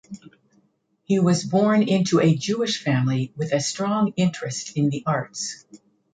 He was born into a Jewish family with a strong interest in the arts.